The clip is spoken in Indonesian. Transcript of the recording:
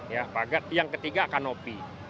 yang ketiga kanopi